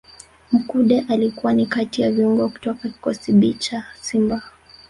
Mkude alikuwa ni kati ya viungo kutoka kikosi B cha Simba